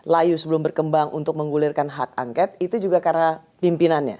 layu sebelum berkembang untuk menggulirkan hak angket itu juga karena pimpinannya